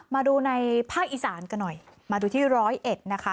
มาดูในภาคอีสานกันหน่อยมาดูที่ร้อยเอ็ดนะคะ